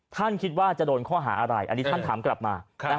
ท่านคิดว่าจะโดนข้อหาอะไรอันนี้ท่านถามกลับมา